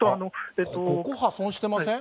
ここ、破損してません？